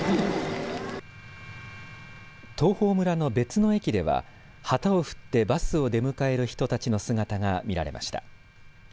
東峰村の別の駅では旗を振ってバスを出迎える人たちの姿が見られました。